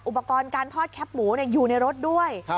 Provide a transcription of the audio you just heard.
อุปกรณ์การทอดแคปหมูอยู่ในรถด้วย